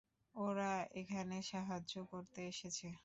ওরা এখানে সাহায্য করতে এসেছে।